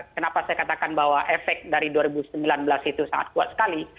kenapa saya katakan bahwa efek dari dua ribu sembilan belas itu sangat kuat sekali